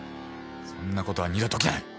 そんなことは二度と起きない